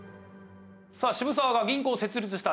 さあ渋沢が銀行を設立した